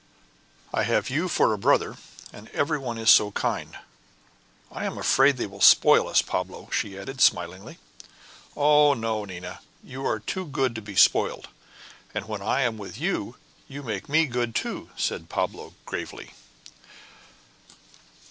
I have you for a brother, and everybody is so kind. I am afraid they will spoil us, Pablo," she added, smiling. "Oh, no, Nina; you are too good to be spoiled, and when I am with you, you make me good too," said Pablo, gravely.